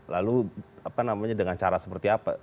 lalu apa namanya dengan cara seperti apa